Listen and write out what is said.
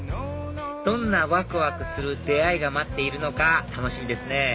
どんなワクワクする出会いが待っているのか楽しみですね